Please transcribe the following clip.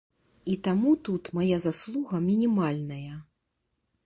І таму тут мая заслуга мінімальная.